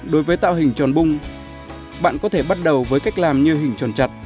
đối với tạo hình tròn bung bạn có thể bắt đầu với cách làm như hình tròn chặt